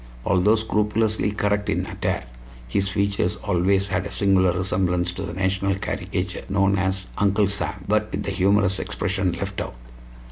Although scrupulously correct in attire, his features always had a singular resemblance to the national caricature known as "Uncle Sam," but with the humorous expression left out.